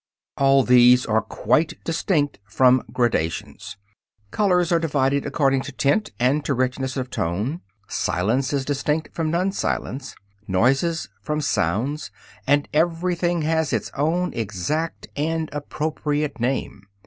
All these are quite distinct from gradations. Colors are divided according to tint and to richness of tone, silence is distinct from non silence, noises from sounds, and everything has its own exact and appropriate name.